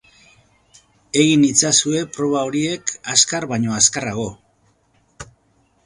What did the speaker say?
Egin itzazue proba horiek azkar baino azkarrago.